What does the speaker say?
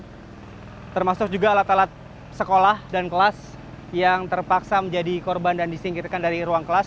dan termasuk juga alat alat sekolah dan kelas yang terpaksa menjadi korban dan disingkirkan dari ruang kelas